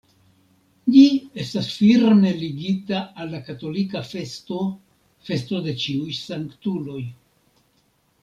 Ĝi estas firme ligita al la katolika festo festo de ĉiuj sanktuloj.